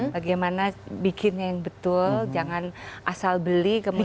bagaimana bikinnya yang betul jangan asal beli kemudian